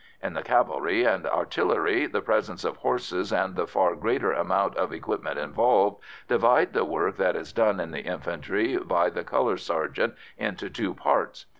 In the cavalry and artillery the presence of horses and the far greater amount of equipment involved divide the work that is done in the infantry by the colour sergeant into two parts.